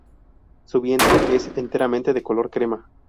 Su vientre es enteramente de color crema.